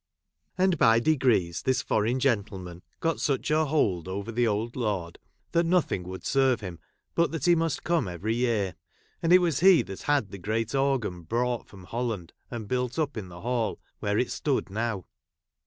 And, by de^ees, this ! foreign gentleman got such a hold over the j old lord, that nothing would serve him but i that he must come every year ; and it was he that had the great organ brought from Hol¬ land and built up in the hall, where it stood now.